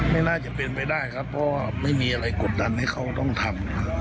ไม่น่าจะเป็นไปได้ครับเพราะว่าไม่มีอะไรกดดันให้เขาต้องทำ